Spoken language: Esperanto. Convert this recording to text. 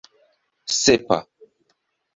sepa